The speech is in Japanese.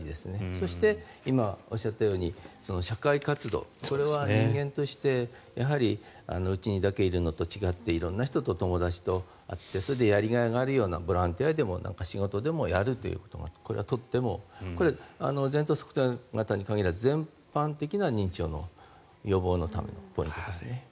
そして今、おっしゃったように社会活動、これは人間としてうちにだけいるのと違って色んな人、友達と会ってそれからやりがいのあるボランティアでも仕事でもやるというのがこれは前頭側頭型に限らず全般的な認知症の予防のためのポイントですね。